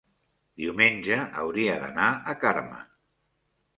diumenge hauria d'anar a Carme.